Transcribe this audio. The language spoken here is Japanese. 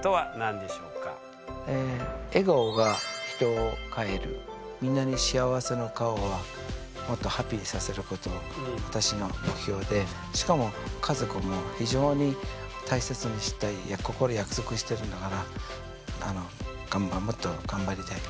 私は結構みんなに幸せの顔はもっとハッピーにさせること私の目標でしかも家族も非常に大切にしたい心約束してるんだからもっとがんばりたい。